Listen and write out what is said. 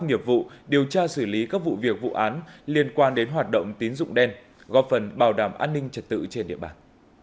nghiệp vụ điều tra xử lý các vụ việc vụ án liên quan đến hoạt động tín dụng đen góp phần bảo đảm an ninh trật tự trên địa bàn